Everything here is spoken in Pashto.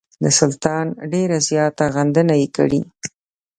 د سلطان ډېره زیاته غندنه یې کړې.